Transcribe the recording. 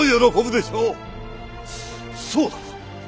そうだ！